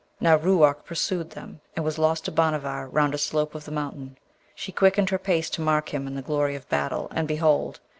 Now Ruark pursued them, and was lost to Bhanavar round a slope of the mountain. She quickened her pace to mark him in the glory of the battle, and behold!